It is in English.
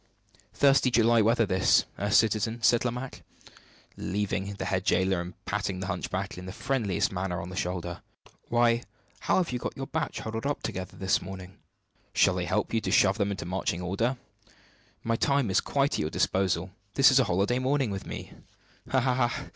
"Thirsty July weather, this eh, citizen?" said Lomaque, leaving the head jailer, and patting the hunchback in the friendliest manner on the shoulder. "Why, how you have got your batch huddled up together this morning! Shall I help you to shove them into marching order? My time is quite at your disposal. This is a holiday morning with me!" "Ha, ha, ha!